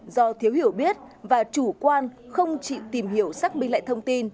do thiếu hiểu biết và chủ quan không chịu tìm hiểu xác minh lại thông tin